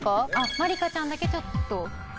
まりかちゃんだけちょっと。